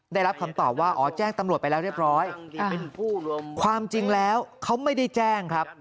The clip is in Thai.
ได้รับคำตอบว่าอ๋อแจ้งตำรวจไปแล้วเรียบร้อยความจริงแล้วเขาไม่ได้แจ้งครับ